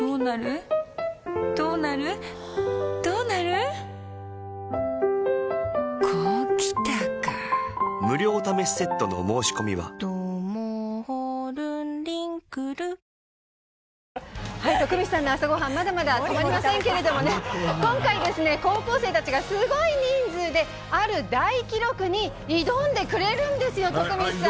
過去最大の補助金も徳光さんの朝ごはん、まだまだ止まりませんけれどもね、今回ですね、高校生たちがすごい人数で、ある大記録に挑んでくれるんですよ、徳光さん。